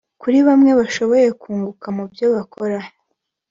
Kuri bamwe bashoboye kunguka mu byo bakora